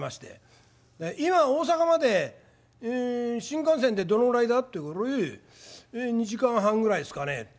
「今大阪まで新幹線でどのぐらいだ？」って言うから「ええ２時間半ぐらいですかね」。